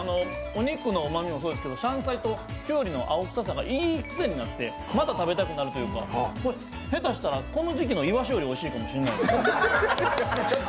お肉のうまみもそうですけど香菜と胡瓜の青臭さがいい癖になって、また食べたくなるというか、下手したらこの時期のイワシよりおいしいかもしれない。